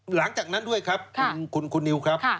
หลังจากนั้นด้วยครับคุณนิวครับ